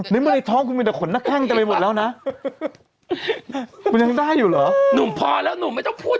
ไม่เป็นไรท้องกูมีแต่ขนน่ะมันไปหมดแล้วนะผมยังได้อยู่เหรอหนูพอแล้วหนูไม่ต้องพูด